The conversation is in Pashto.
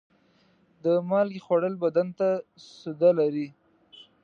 د مالګې خوړل بدن ته سوده لري.